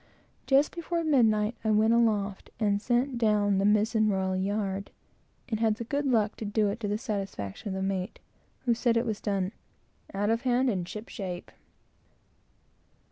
Just before midnight, I went aloft and sent down the mizen royal yard, and had the good luck to do it to the satisfaction of the mate, who said it was done "out of hand and ship shape."